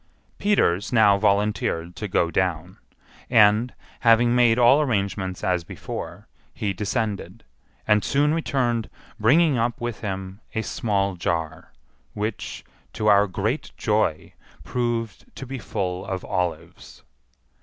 Peters now volunteered to go down; and, having made all arrangements as before, he descended, and soon returned bringing up with him a small jar, which, to our great joy, proved to be full of olives.